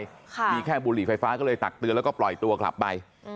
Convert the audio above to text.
ค่ะมีแค่บุหรี่ไฟฟ้าก็เลยตักเตือนแล้วก็ปล่อยตัวกลับไป